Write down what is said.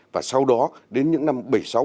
và sau đó đến những năm bảy mươi sáu bảy mươi bảy